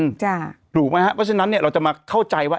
ถูกไหมครับเพราะฉะนั้นเนี่ยเราจะมาเข้าใจว่า